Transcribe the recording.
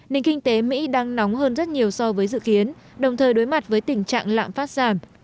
nền kinh tế mỹ đang nóng hơn rất nhiều so với dự kiến đồng thời đối mặt với tình trạng lạm phát giảm